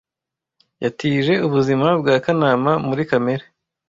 yatije ubuzima bwa kanama muri kamere